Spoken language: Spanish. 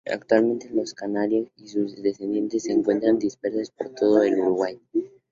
Actualmente, los canarios y sus descendientes se encuentran dispersos por todo el Uruguay.